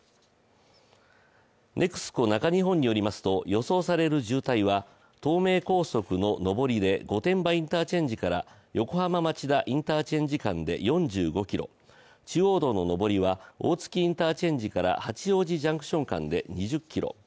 ＮＥＸＣＯ中日本によりますと予想される渋滞は東名高速の上りで御殿場インターチェンジから横浜町田インターチェンジ間で４５ｋｍ中央道の上りは大月インターチェンジから八王子ジャンクション間で２０ｋｍ。